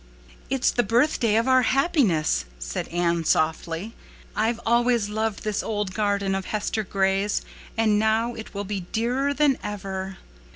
"It's the birthday of our happiness," said Anne softly. "I've always loved this old garden of Hester Gray's, and now it will be dearer than ever."